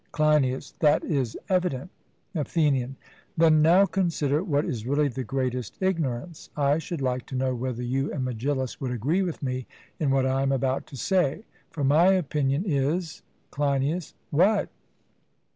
CLEINIAS: That is evident. ATHENIAN: Then now consider what is really the greatest ignorance. I should like to know whether you and Megillus would agree with me in what I am about to say; for my opinion is CLEINIAS: What?